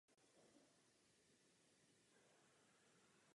Následný pád přežil.